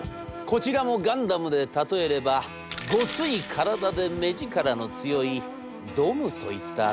こちらもガンダムで例えればごつい体で目力の強いドムといったところでございましょうか。